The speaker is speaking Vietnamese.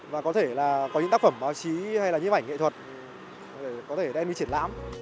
và có thể là có những tác phẩm báo chí hay là nhếp ảnh nghệ thuật để có thể đem đi triển lãm